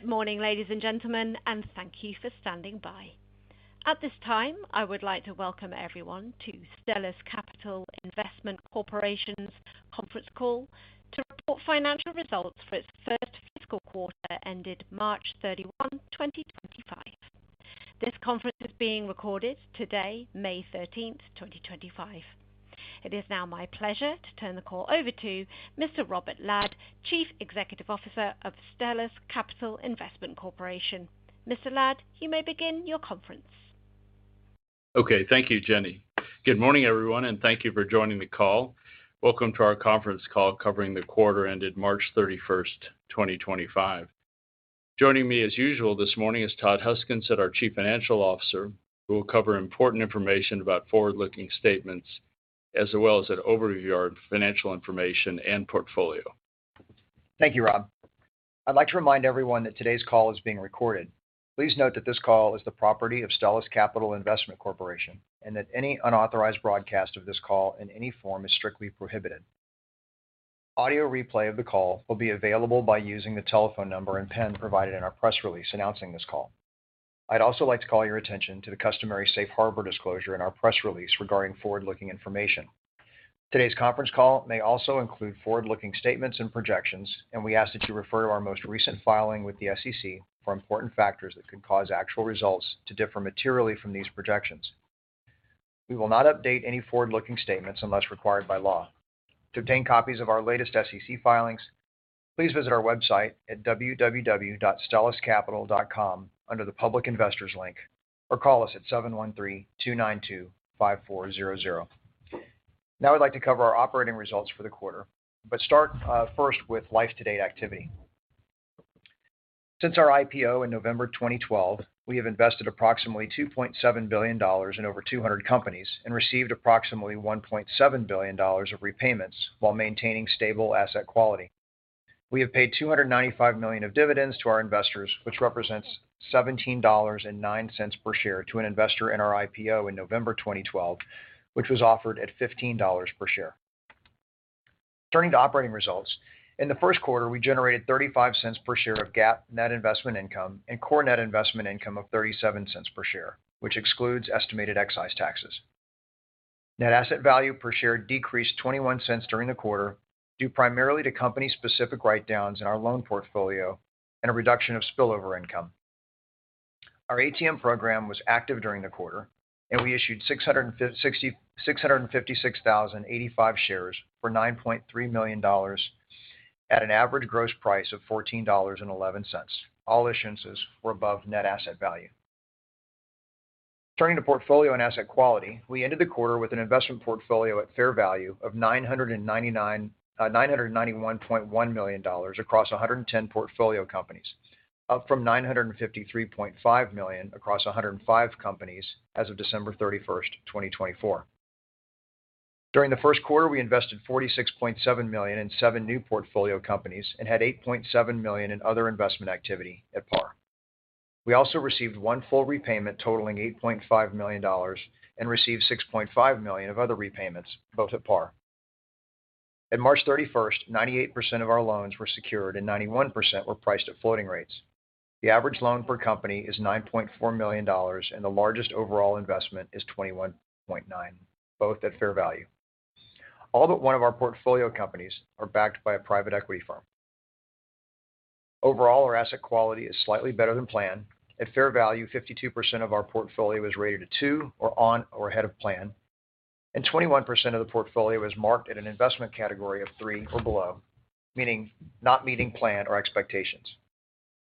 Good morning, ladies and gentlemen, and thank you for standing by. At this time, I would like to welcome everyone to Stellus Capital Investment Corporation's conference call to report financial results for its first fiscal quarter ended March 31, 2025. This conference is being recorded today, May 13, 2025. It is now my pleasure to turn the call over to Mr. Robert Ladd, Chief Executive Officer of Stellus Capital Investment Corporation. Mr. Ladd, you may begin your conference. Okay, thank you, Jenny. Good morning, everyone, and thank you for joining the call. Welcome to our conference call covering the quarter ended March 31st, 2025. Joining me, as usual this morning, is Todd Huskinson, our Chief Financial Officer, who will cover important information about forward-looking statements as well as an overview of our financial information and portfolio. Thank you, Rob. I'd like to remind everyone that today's call is being recorded. Please note that this call is the property of Stellus Capital Investment Corporation and that any unauthorized broadcast of this call in any form is strictly prohibited. Audio replay of the call will be available by using the telephone number and PIN provided in our press release announcing this call. I'd also like to call your attention to the customary safe harbor disclosure in our press release regarding forward-looking information. Today's conference call may also include forward-looking statements and projections, and we ask that you refer to our most recent filing with the SEC for important factors that could cause actual results to differ materially from these projections. We will not update any forward-looking statements unless required by law. To obtain copies of our latest SEC filings, please visit our website at www.stelluscapital.com under the Public Investors link or call us at 713-292-5400. Now, I'd like to cover our operating results for the quarter, but start first with life-to-date activity. Since our IPO in November 2012, we have invested approximately $2.7 billion in over 200 companies and received approximately $1.7 billion of repayments while maintaining stable asset quality. We have paid $295 million of dividends to our investors, which represents $17.09 per share to an investor in our IPO in November 2012, which was offered at $15 per share. Turning to operating results, in the first quarter, we generated $0.35 per share of GAAP net investment income and core net investment income of $0.37 per share, which excludes estimated excise taxes. Net asset value per share decreased $0.21 during the quarter due primarily to company-specific write-downs in our loan portfolio and a reduction of spillover income. Our ATM program was active during the quarter, and we issued 656,085 shares for $9.3 million at an average gross price of $14.11. All issuances were above net asset value. Turning to portfolio and asset quality, we ended the quarter with an investment portfolio at fair value of $991.1 million across 110 portfolio companies, up from $953.5 million across 105 companies as of December 31st, 2024. During the first quarter, we invested $46.7 million in seven new portfolio companies and had $8.7 million in other investment activity at par. We also received one full repayment totaling $8.5 million and received $6.5 million of other repayments, both at par. At March 31, 98% of our loans were secured and 91% were priced at floating rates. The average loan per company is $9.4 million, and the largest overall investment is $21.9 million, both at fair value. All but one of our portfolio companies are backed by a private equity firm. Overall, our asset quality is slightly better than planned. At fair value, 52% of our portfolio is rated a 2 or on or ahead of plan, and 21% of the portfolio is marked at an investment category of 3 or below, meaning not meeting plan or expectations.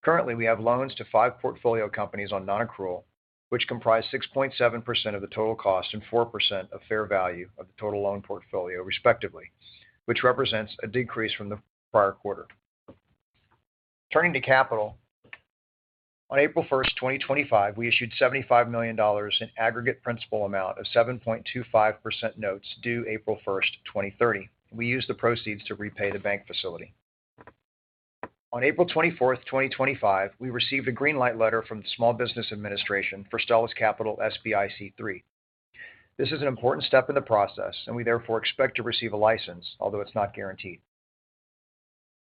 Currently, we have loans to five portfolio companies on non-accrual, which comprise 6.7% of the total cost and 4% of fair value of the total loan portfolio, respectively, which represents a decrease from the prior quarter. Turning to capital, on April 1, 2025, we issued $75 million in aggregate principal amount of 7.25% notes due April 1, 2030. We used the proceeds to repay the bank facility. On April 24th, 2025, we received a green light letter from the Small Business Administration for Stellus Capital SBIC3. This is an important step in the process, and we therefore expect to receive a license, although it's not guaranteed.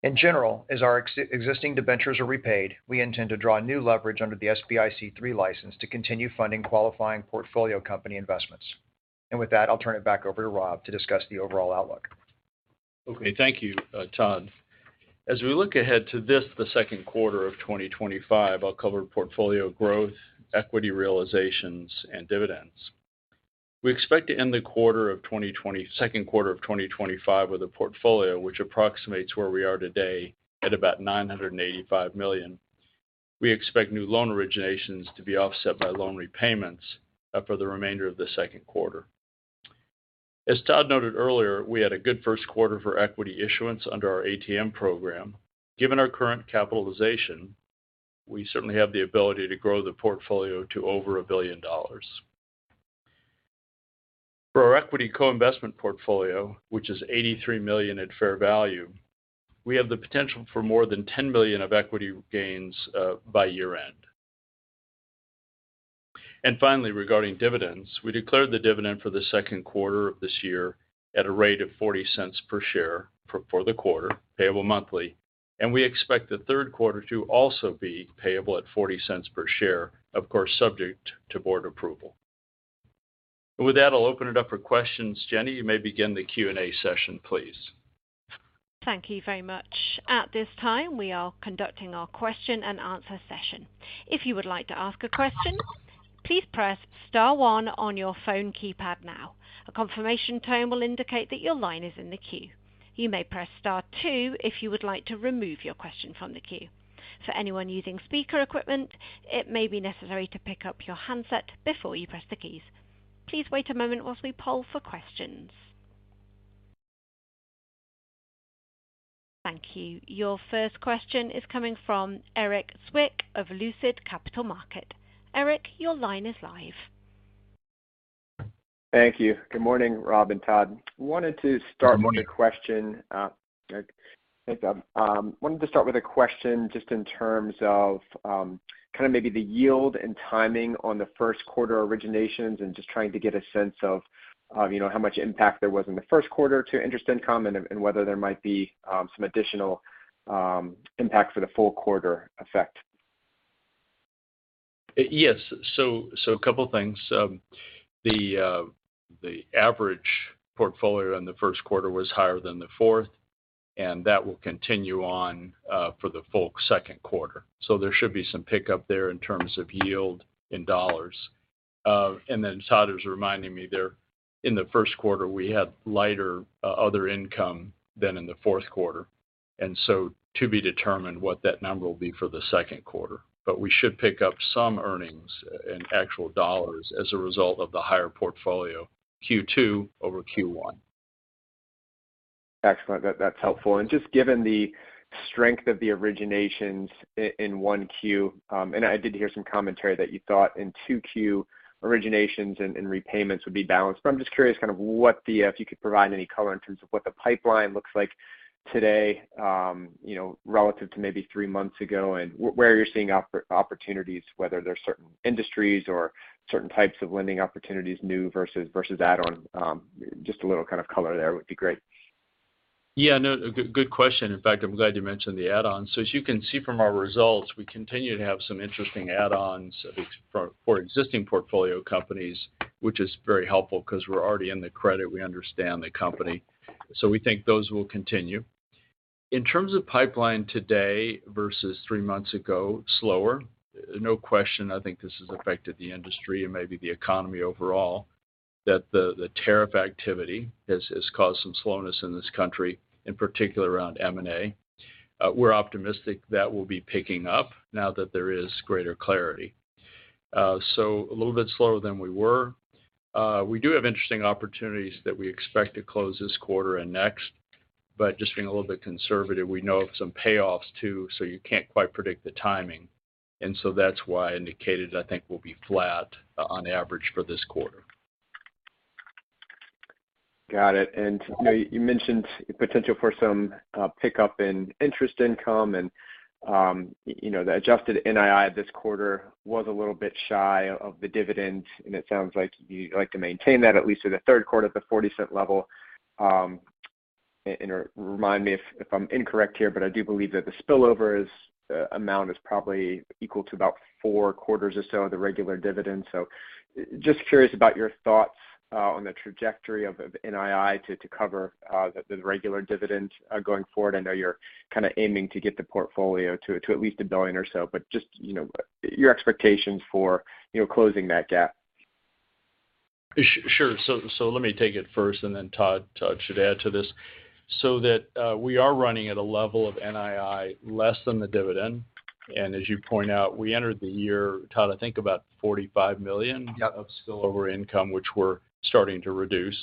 In general, as our existing debentures are repaid, we intend to draw new leverage under the SBIC3 license to continue funding qualifying portfolio company investments. With that, I'll turn it back over to Rob to discuss the overall outlook. Okay, thank you, Todd. As we look ahead to this, the second quarter of 2025, I'll cover portfolio growth, equity realizations, and dividends. We expect to end the second quarter of 2025 with a portfolio which approximates where we are today at about $985 million. We expect new loan originations to be offset by loan repayments for the remainder of the second quarter. As Todd noted earlier, we had a good first quarter for equity issuance under our ATM program. Given our current capitalization, we certainly have the ability to grow the portfolio to over a billion dollars. For our equity co-investment portfolio, which is $83 million at fair value, we have the potential for more than $10 million of equity gains by year-end. Finally, regarding dividends, we declared the dividend for the second quarter of this year at a rate of $0.40 per share for the quarter, payable monthly, and we expect the third quarter to also be payable at $0.40 per share, of course, subject to board approval. With that, I'll open it up for questions. Jenny, you may begin the Q&A session, please. Thank you very much. At this time, we are conducting our question and answer session. If you would like to ask a question, please press star one on your phone keypad now. A confirmation tone will indicate that your line is in the queue. You may press star two if you would like to remove your question from the queue. For anyone using speaker equipment, it may be necessary to pick up your handset before you press the keys. Please wait a moment while we poll for questions. Thank you. Your first question is coming from Erik Zwick of Lucid Capital Markets. Erik, your line is live. Thank you. Good morning, Rob and Todd. Wanted to start with a question. I wanted to start with a question just in terms of kind of maybe the yield and timing on the first quarter originations and just trying to get a sense of how much impact there was in the first quarter to interest income and whether there might be some additional impact for the full quarter effect. Yes. A couple of things. The average portfolio in the first quarter was higher than the fourth, and that will continue on for the full second quarter. There should be some pickup there in terms of yield in dollars. Todd was reminding me there in the first quarter, we had lighter other income than in the fourth quarter. To be determined what that number will be for the second quarter. We should pick up some earnings in actual dollars as a result of the higher portfolio Q2 over Q1. Excellent. That's helpful. Just given the strength of the originations in 1Q, and I did hear some commentary that you thought in 2Q originations and repayments would be balanced. I'm just curious kind of what the, if you could provide any color in terms of what the pipeline looks like today relative to maybe three months ago and where you're seeing opportunities, whether there are certain industries or certain types of lending opportunities, new versus add-on. Just a little kind of color there would be great. Yeah, no, good question. In fact, I'm glad you mentioned the add-on. As you can see from our results, we continue to have some interesting add-ons for existing portfolio companies, which is very helpful because we're already in the credit. We understand the company. We think those will continue. In terms of pipeline today versus three months ago, slower. No question, I think this has affected the industry and maybe the economy overall that the tariff activity has caused some slowness in this country, in particular around M&A. We're optimistic that will be picking up now that there is greater clarity. A little bit slower than we were. We do have interesting opportunities that we expect to close this quarter and next, but just being a little bit conservative, we know of some payoffs too, so you can't quite predict the timing. That is why I indicated, I think, will be flat on average for this quarter. Got it. You mentioned potential for some pickup in interest income, and the adjusted NII this quarter was a little bit shy of the dividends, and it sounds like you'd like to maintain that at least in the third quarter at the $0.40 level. Remind me if I'm incorrect here, but I do believe that the spillover amount is probably equal to about four quarters or so of the regular dividend. Just curious about your thoughts on the trajectory of NII to cover the regular dividend going forward. I know you're kind of aiming to get the portfolio to at least $1 billion or so, but just your expectations for closing that gap. Sure. Let me take it first, and then Todd should add to this. We are running at a level of NII less than the dividend. As you point out, we entered the year, Todd, I think about $45 million of spillover income, which we are starting to reduce.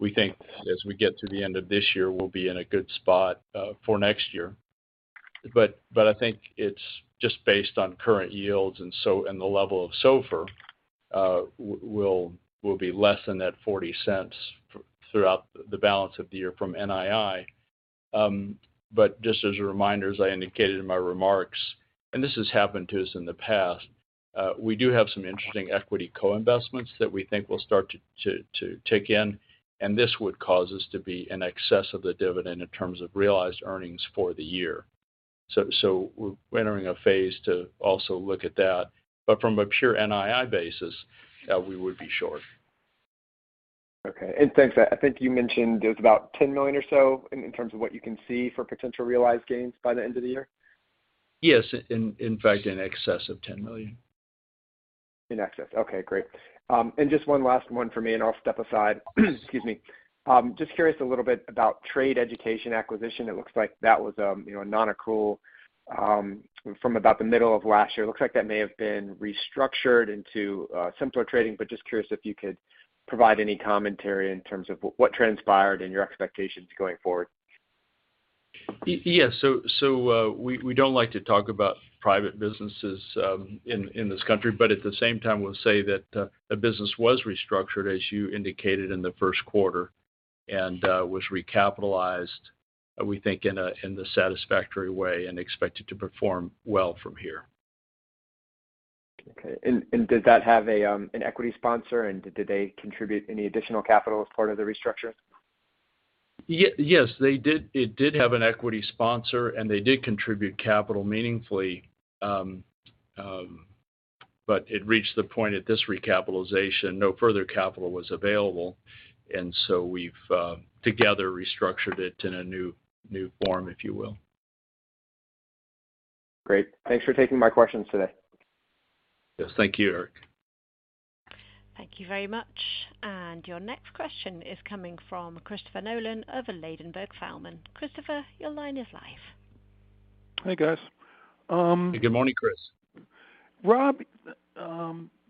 We think as we get to the end of this year, we will be in a good spot for next year. I think just based on current yields and the level of SOFR, we will be less than that $0.40 throughout the balance of the year from NII. Just as a reminder, as I indicated in my remarks, and this has happened to us in the past, we do have some interesting equity co-investments that we think we'll start to take in, and this would cause us to be in excess of the dividend in terms of realized earnings for the year. We are entering a phase to also look at that. From a pure NII basis, we would be short. Okay. Thanks. I think you mentioned there's about $10 million or so in terms of what you can see for potential realized gains by the end of the year. Yes. In fact, in excess of $10 million. In excess. Okay, great. Just one last one for me and I'll step aside. Excuse me. Just curious a little bit about Trade Education Acquisition. It looks like that was a non-accrual from about the middle of last year. Looks like that may have been restructured into Simpler Trading, but just curious if you could provide any commentary in terms of what transpired and your expectations going forward. Yes. We do not like to talk about private businesses in this country, but at the same time, we will say that a business was restructured, as you indicated, in the first quarter and was recapitalized, we think, in a satisfactory way and expected to perform well from here. Okay. Did that have an equity sponsor, and did they contribute any additional capital as part of the restructure? Yes, they did. It did have an equity sponsor, and they did contribute capital meaningfully. It reached the point at this recapitalization, no further capital was available. We have together restructured it in a new form, if you will. Great. Thanks for taking my questions today. Yes, thank you, Erik. Thank you very much. Your next question is coming from Christopher Nolan of Ladenburg Thalmann. Christopher, your line is live. Hey, guys. Hey, good morning, Chris. Rob,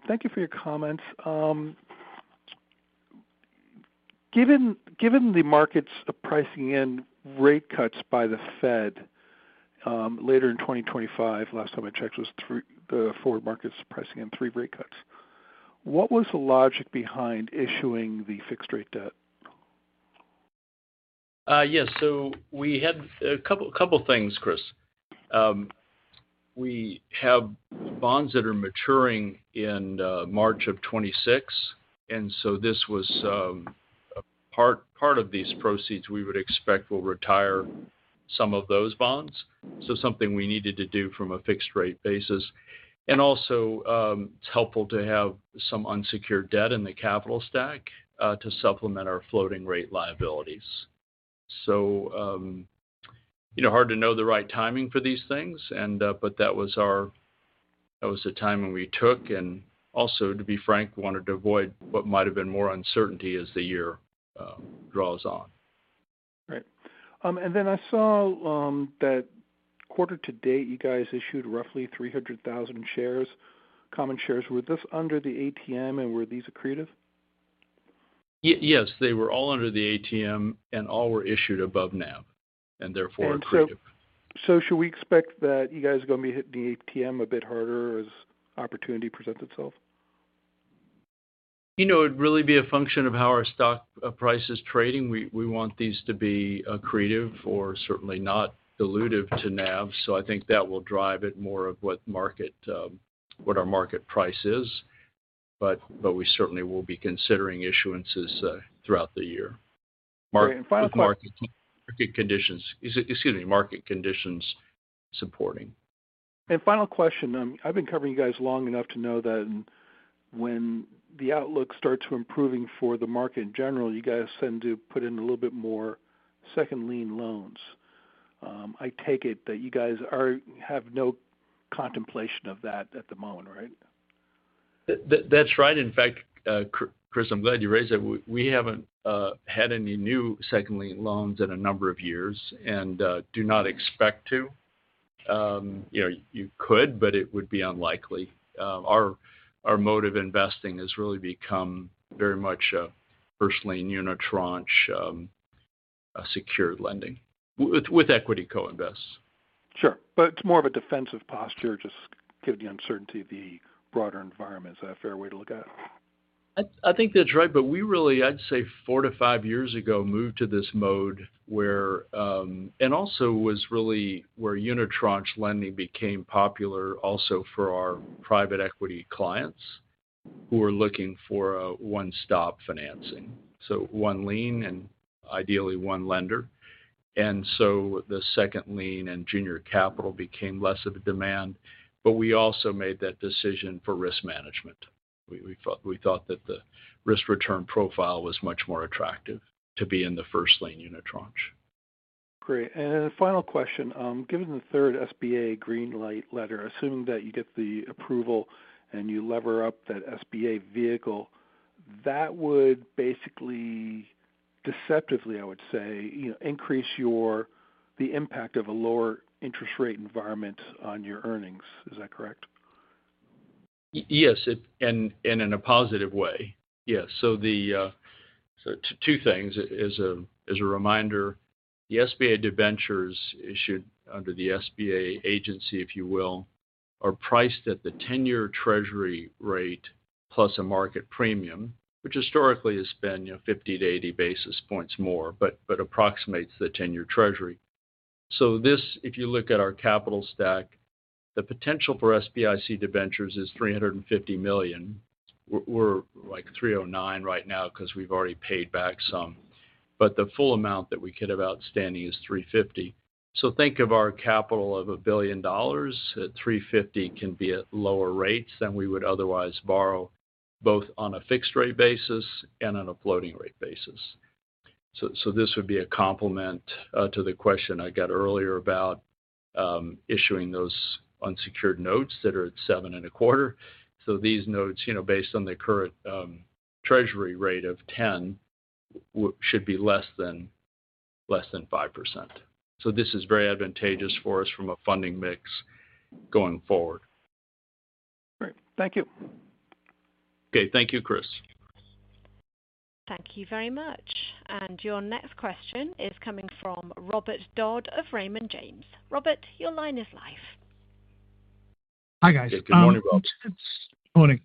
thank you for your comments. Given the markets pricing in rate cuts by the Fed later in 2025, last time I checked was the forward markets pricing in three rate cuts. What was the logic behind issuing the fixed-rate debt? Yes. We had a couple of things, Chris. We have bonds that are maturing in March of 2026. This was part of these proceeds we would expect will retire some of those bonds. Something we needed to do from a fixed-rate basis. Also, it is helpful to have some unsecured debt in the capital stack to supplement our floating-rate liabilities. Hard to know the right timing for these things, but that was the timing we took. Also, to be frank, wanted to avoid what might have been more uncertainty as the year draws on. Great. I saw that quarter to date, you guys issued roughly 300,000 shares, common shares. Were those under the ATM, and were these accretive? Yes, they were all under the ATM and all were issued above NAV. Therefore, accretive. Should we expect that you guys are going to be hitting the ATM a bit harder as opportunity presents itself? It'd really be a function of how our stock price is trading. We want these to be accretive or certainly not dilutive to NAV. I think that will drive it more of what our market price is. We certainly will be considering issuances throughout the year. Great. Final question. Market conditions. Excuse me, market conditions supporting. Final question. I've been covering you guys long enough to know that when the outlook starts improving for the market in general, you guys tend to put in a little bit more second-lien loans. I take it that you guys have no contemplation of that at the moment, right? That's right. In fact, Chris, I'm glad you raised that. We haven't had any new second-lien loans in a number of years and do not expect to. You could, but it would be unlikely. Our mode of investing has really become very much a first-lien unitranche secured lending with equity co-invests. Sure. It is more of a defensive posture, just given the uncertainty of the broader environment. Is that a fair way to look at it? I think that's right. We really, I'd say four to five years ago, moved to this mode where, and also was really where unitranche lending became popular also for our private equity clients who were looking for one-stop financing. One lien and ideally one lender. The second-lien and junior capital became less of a demand. We also made that decision for risk management. We thought that the risk-return profile was much more attractive to be in the first-lien unitranche. Great. Final question. Given the third SBA green light letter, assuming that you get the approval and you lever up that SBA vehicle, that would basically deceptively, I would say, increase the impact of a lower interest rate environment on your earnings. Is that correct? Yes, in a positive way. Yes. Two things. As a reminder, the SBA debentures issued under the SBA agency, if you will, are priced at the 10-year treasury rate plus a market premium, which historically has been 50-80 basis points more, but approximates the 10-year treasury. If you look at our capital stack, the potential for SBIC debentures is $350 million. We are like $309 million right now because we have already paid back some. The full amount that we could have outstanding is $350 million. Think of our capital of $1 billion. $350 million can be at lower rates than we would otherwise borrow both on a fixed-rate basis and on a floating-rate basis. This would be a complement to the question I got earlier about issuing those unsecured notes that are at 7.25%. These notes, based on the current treasury rate of 10, should be less than 5%. This is very advantageous for us from a funding mix going forward. Great. Thank you. Okay. Thank you, Chris. Thank you very much. Your next question is coming from Robert Dodd of Raymond James. Robert, your line is live. Hi, guys. Good morning, Robert. Morning.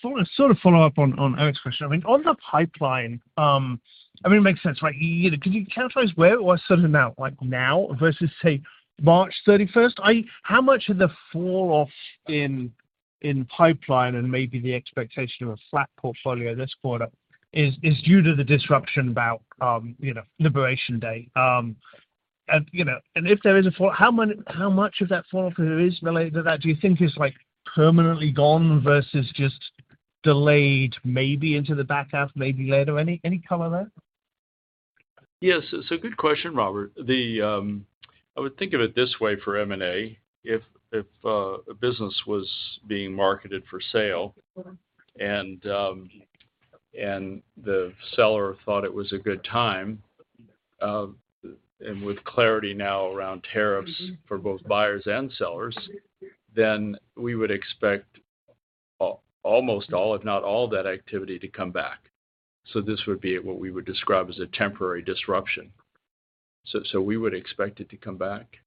Sort of follow up on Erik's question. I mean, on the pipeline, I mean, it makes sense, right? Could you characterize where we're sitting now, like now versus, say, March 31st? How much of the fall-off in pipeline and maybe the expectation of a flat portfolio this quarter is due to the disruption about Liberation Day? If there is a fall, how much of that fall-off there is related to that, do you think is permanently gone versus just delayed maybe into the back half, maybe later? Any color there? Yes. Good question, Robert. I would think of it this way for M&A. If a business was being marketed for sale and the seller thought it was a good time, and with clarity now around tariffs for both buyers and sellers, we would expect almost all, if not all, that activity to come back. This would be what we would describe as a temporary disruption. We would expect it to come back.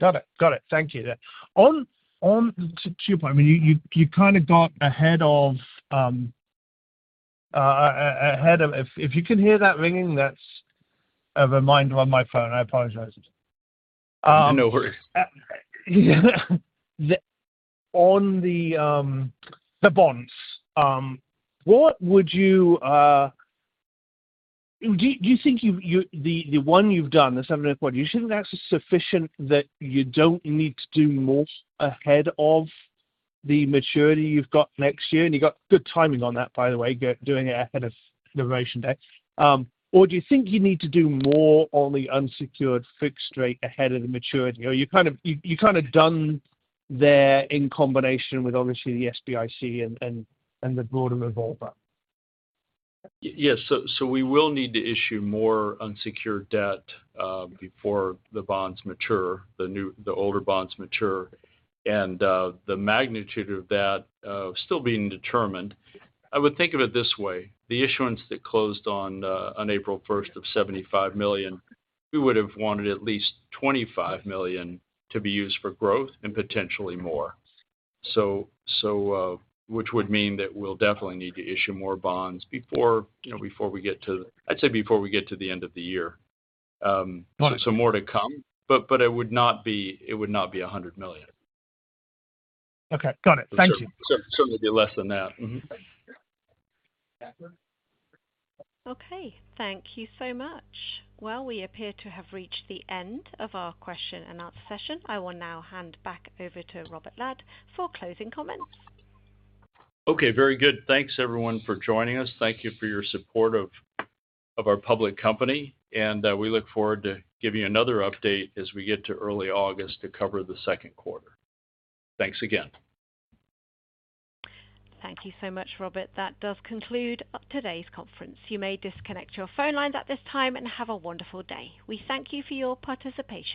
Got it. Got it. Thank you. To your point, I mean, you kind of got ahead of if you can hear that ringing, that's a reminder on my phone. I apologize. No worries. On the bonds, what would you do you think the one you've done, the seven and a quarter, you shouldn't act as sufficient that you don't need to do more ahead of the maturity you've got next year? You got good timing on that, by the way, doing it ahead of Liberation Day. Do you think you need to do more on the unsecured fixed-rate ahead of the maturity? Or you've kind of done there in combination with, obviously, the SBIC and the broader revolver? Yes. We will need to issue more unsecured debt before the bonds mature, the older bonds mature. The magnitude of that is still being determined. I would think of it this way. The issuance that closed on April 1st of $75 million, we would have wanted at least $25 million to be used for growth and potentially more, which would mean that we'll definitely need to issue more bonds before we get to, I'd say, before we get to the end of the year. More to come. It would not be $100 million. Okay. Got it. Thank you. Certainly be less than that. Okay. Thank you so much. We appear to have reached the end of our question and answer session. I will now hand back over to Robert Ladd for closing comments. Okay. Very good. Thanks, everyone, for joining us. Thank you for your support of our public company. We look forward to giving you another update as we get to early August to cover the second quarter. Thanks again. Thank you so much, Robert. That does conclude today's conference. You may disconnect your phone lines at this time and have a wonderful day. We thank you for your participation.